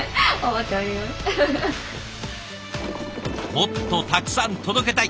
もっとたくさん届けたい！